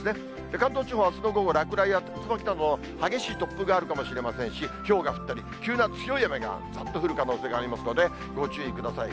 関東地方はあすの午後、落雷や竜巻などの激しい突風があるかもしれませんし、ひょうが降ったり、急な強い雨がざっと降る可能性がありますので、ご注意ください。